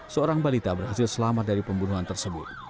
seorang balita berhasil selamat dari pembunuhan tersebut